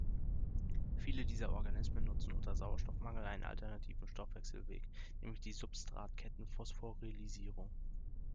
Viele dieser Organismen nutzen unter Sauerstoffmangel einen alternativen Stoffwechselweg, nämlich die Substratkettenphosphorylierung.